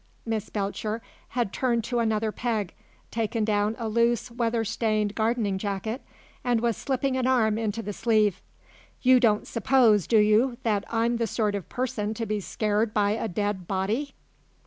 Miss Belcher had turned to another peg, taken down a loose weather stained gardening jacket, and was slipping an arm into the sleeve "you don't suppose, do you, that I'm the sort of person to be scared by a dead body?